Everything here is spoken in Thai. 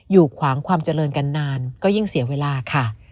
ขวางความเจริญกันนานก็ยิ่งเสียเวลาค่ะ